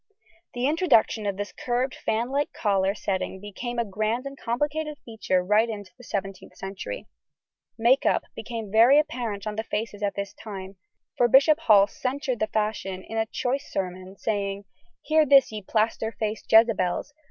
The introduction of this curved fanlike collar setting became a grand and complicated feature right into the 17th century. "Make up" became very apparent on the faces at this time, for Bishop Hall censured the fashion in a choice sermon, saying, "Hear this, ye plaster faced Jezabels!